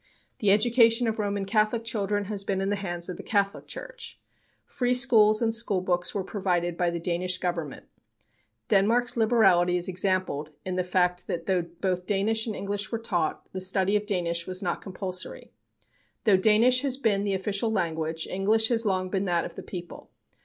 The education of Roman Catholic children has been in the hands of the Catholic Church. Free schools and schoolbooks were provided by the Danish Government. Denmark's liberality is exampled in the fact that though both Danish and English were taught, the study of Danish was not compulsory. Though Danish has been the official language, English has long been that of the people.